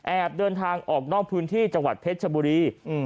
เดินทางออกนอกพื้นที่จังหวัดเพชรชบุรี